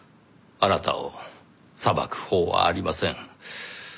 あなたを裁く法はありません。